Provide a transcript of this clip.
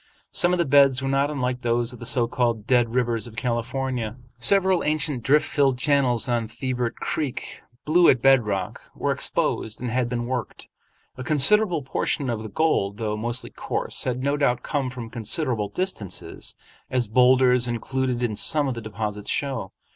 Some of the beds were not unlike those of the so called Dead Rivers of California. Several ancient drift filled channels on Thibert Creek, blue at bed rock, were exposed and had been worked. A considerable portion of the gold, though mostly coarse, had no doubt come from considerable distances, as boulders included in some of the deposits show.